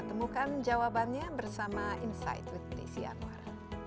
temukan jawabannya bersama insight with desi anwar